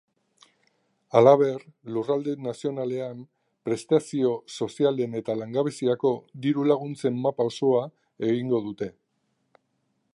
Halaber, lurralde nazionalean prestazio sozialen eta langabeziako diru-laguntzen mapa osoa egingo dute.